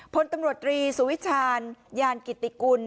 พ้นตำรวจรีสุวิชาญอย่างกิตติกุล